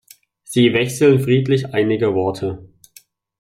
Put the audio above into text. Sie wechseln friedlich einige Worte.